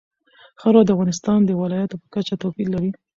خاوره د افغانستان د ولایاتو په کچه توپیر لري.